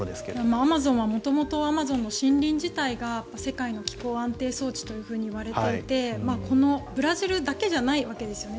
アマゾンは元々アマゾンの森林自体が世界の気候安定装置といわれていてこのブラジルだけじゃないわけですよね。